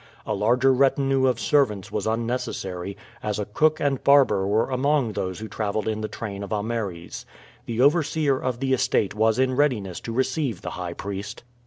A larger retinue of servants was unnecessary, as a cook and barber were among those who traveled in the train of Ameres. The overseer of the estate was in readiness to receive the high priest.